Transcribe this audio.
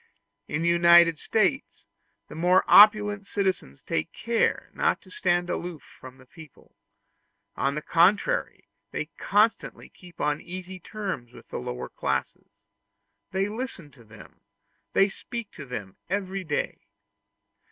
In the United States the more opulent citizens take great care not to stand aloof from the people; on the contrary, they constantly keep on easy terms with the lower classes: they listen to them, they speak to them every day.